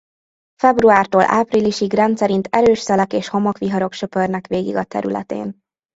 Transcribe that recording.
Februártól áprilisig rendszerint erős szelek és homokviharok söpörnek végig a területén.